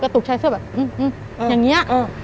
กระตุกชายเสื้อแบบอื้ออื้ออย่างเงี้ยเออเออ